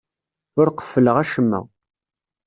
Ur qeffleɣ acemma.